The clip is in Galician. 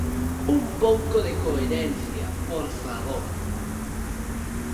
¡Un pouco de coherencia, por favor!